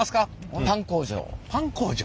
パン工場？